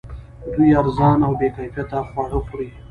دوی ارزان او بې کیفیته خواړه خوري